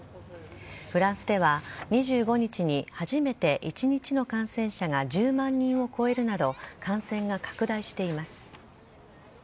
フランスでは２５日に初めて１日の感染者が１０万人を超えるなど、感染が拡大しています。